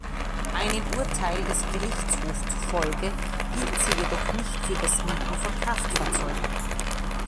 Einem Urteil des Gerichtshofs zufolge gilt sie jedoch nicht für das Mieten von Kraftfahrzeugen.